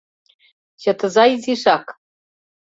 Чытыза изишак.